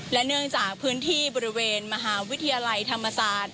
และเนื่องจากพื้นที่บริเวณมหาวิทยาลัยธรรมศาสตร์